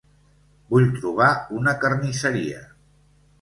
Vull trobar una carnisseria